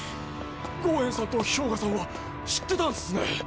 ゴウエンさんとヒョウガさんは知ってたんすね。